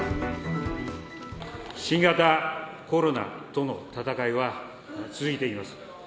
新型コロナとの戦いは、続いています。